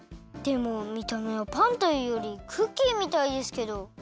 でもみためはパンというよりクッキーみたいですけど。